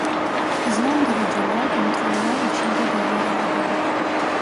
Hızlandırıcılar intronlar içinde de yer alabilir.